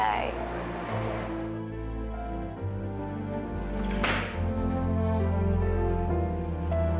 sampai jumpa lagi